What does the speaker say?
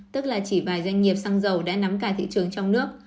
tức là chỉ vài doanh nghiệp xăng dầu đã nắm cả thị trường trong nước